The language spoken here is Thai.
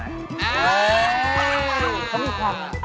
เฮ่ยเขามีความอ่ะ